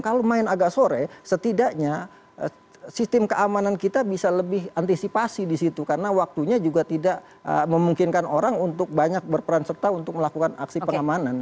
kalau main agak sore setidaknya sistem keamanan kita bisa lebih antisipasi di situ karena waktunya juga tidak memungkinkan orang untuk banyak berperan serta untuk melakukan aksi pengamanan